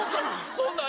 そんなん